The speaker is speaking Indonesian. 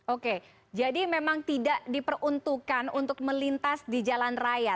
oke jadi memang tidak diperuntukkan untuk melintas di jalan raya